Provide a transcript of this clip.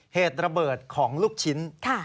เหตุระเบิดของลูกชิ้น